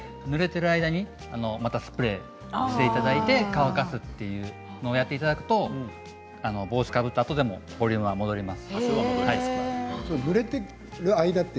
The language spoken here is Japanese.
ぬれている間にスプレーをしていただいて乾かすということをやっていただくと帽子をかぶったあとでもボリュームは戻ります。